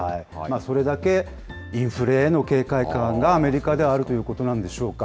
それだけインフレへの警戒感がアメリカではあるということなんでしょうか。